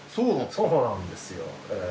そうなんですよ。